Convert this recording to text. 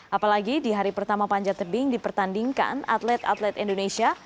apalagi di hari pertama panjat tebing dipertandingkan atlet atlet indonesia